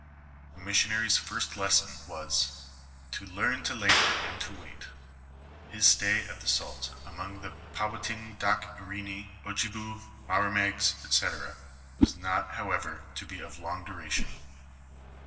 The missionary's firet lesson was, " to learn to la bor and to wait."* His stay at the Sault among the Pahwitting dach irini, Outchibous, Maramegs, &c., was not, however, to be of long duration.